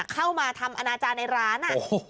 เข้ามาทำอนาจารย์ในร้าน